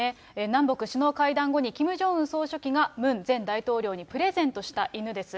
南北首脳会談後にキム・ジョンウン総書記がムン前大統領にプレゼントした犬です。